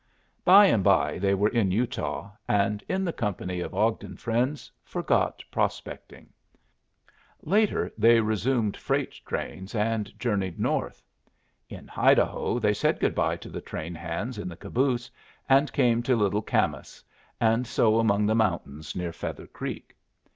By and by they were in Utah, and, in the company of Ogden friends, forgot prospecting. Later they resumed freight trains and journeyed north In Idaho they said good bye to the train hands in the caboose, and came to Little Camas, and so among the mountains near Feather Creek.